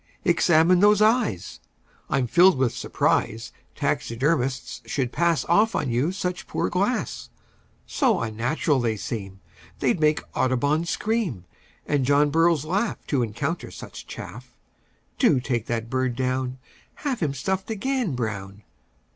"Examine those eyes. I'm filled with surprise Taxidermists should pass Off on you such poor glass; So unnatural they seem They'd make Audubon scream, And John Burroughs laugh To encounter such chaff. Do take that bird down; Have him stuffed again, Brown!"